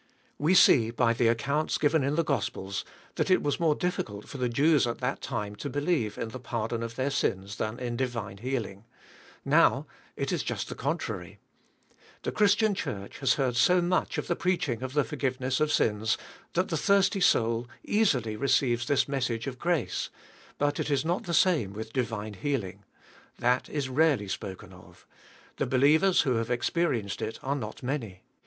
We see, by the accounts given in the Gospels, that it was more difficult for the Je<ws at that done to believe in the pardon of their sins than m divine healing. Now it is just the contrary. The Christian Church has heard so much of the preach ing of the forgiveness of sins thai the thirsty soni easily receives this message IS Diynn HKALma. of graoe; but it is not tbesamewith divine healing; that is rarely spoken of; the'be lievers who have experienced it are not many.